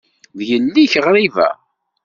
D yelli-k ɣriba.